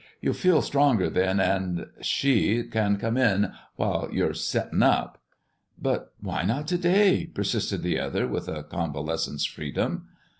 "You'll feel stronger then, and she can come in while you're settin' up." "But why not to day?" persisted the other, with a convalescent's freedom.